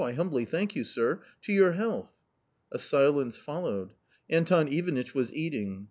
I humbly thank you, sir ! to your health !" A silence followed. Anton Ivanitch was eating.